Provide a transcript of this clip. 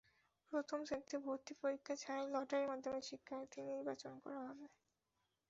প্রথম শ্রেণীতে ভর্তি পরীক্ষা ছাড়াই লটারির মাধ্যমে শিক্ষার্থী নির্বাচন করা হবে।